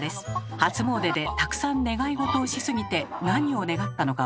初詣でたくさん願い事をしすぎて何を願ったのか忘れました。